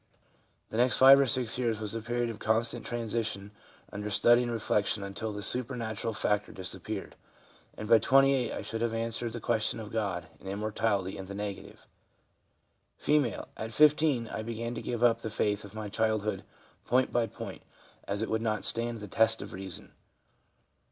The next five or six years was a period of constant transition under study and reflection until the supernatural factor disappeared, and by 28 I should have answered the question of God and immortality in the negative/ F. 1 At 1 5 I began to give up the faith of my childhood point by point, as it would not stand the test of reason.